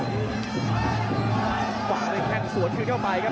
กล้องชิงดาวน์ก็พยายามจะใช้เหยียบมาแล้วครับ